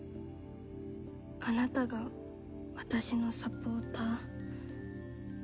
あなたが私のサポーター？